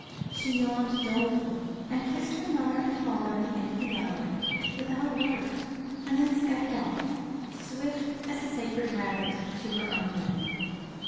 She yawned dolefully, and kissed her mother and father at the end of the gallery, without a word; and then scudded off, swift as a scared rabbit, to her own room.